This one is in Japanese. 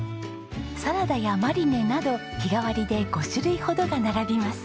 サラダやマリネなど日替わりで５種類ほどが並びます。